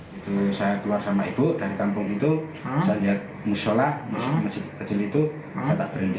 petugas menyebut korban mengalami kerugian hingga sembilan juta rupiah